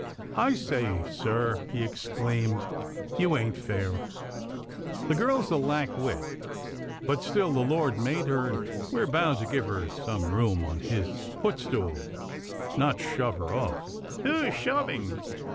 " I say, sir," he exclaimed, " you ain't fair. The girl's a lack wit, but still the Lord made her, and we're bound to give her some room on His footstool — not shove her off." "Who is shoving?"